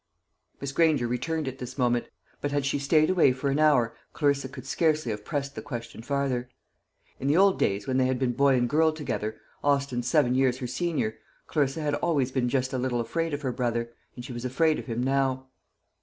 Miss Granger returned at this moment; but had she stayed away for an hour, Clarissa could scarcely have pressed the question farther. In the old days when they had been boy and girl together, Austin seven years her senior, Clarissa had always been just a little afraid of her brother; and she was afraid of him now.